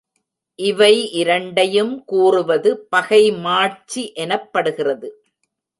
இவை இரண்டையும் கூறுவது பகைமாட்சி எனப்படுகிறது.